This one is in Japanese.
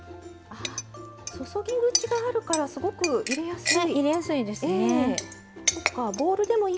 注ぎ口があるからすごく入れやすい。